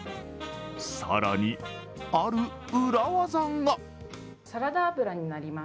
更に、ある裏技が。